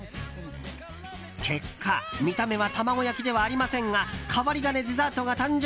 結果、見た目は卵焼きではありませんが変わり種デザートが誕生。